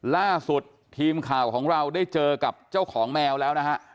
ล่าสุดทีมข่าวของเราได้เจอกับเจ้าของแมวแล้วนะฮะ